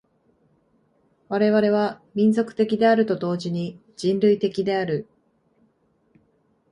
我々は民族的であると同時に人類的である。